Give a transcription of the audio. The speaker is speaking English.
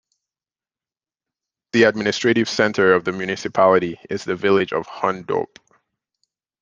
The administrative centre of the municipality is the village of Hundorp.